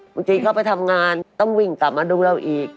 บางทีเขาไปทำงานต้องวิ่งกลับมาดูเราอีก